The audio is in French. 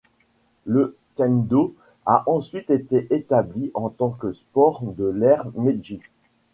Le kendo a ensuite été établi en tant que sport à l'ère Meiji.